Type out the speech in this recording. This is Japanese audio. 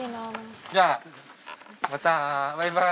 じゃあまたバイバーイ。